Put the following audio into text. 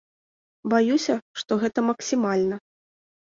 Баюся, што гэта максімальна.